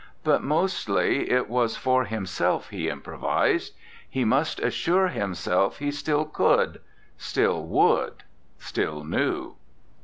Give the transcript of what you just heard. But mostly it was for himself he improvised; he must assure himself he still could, still would, still knew.